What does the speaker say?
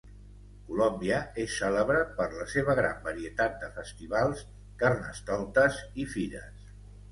Colòmbia és cèlebre per la seva gran varietat de festivals, carnestoltes i fires.